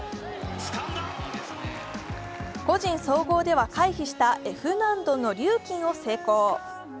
個人総合では回避したＦ難度のリューキンを成功。